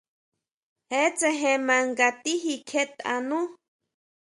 Je tséjen maa nga tijikjietʼa nú.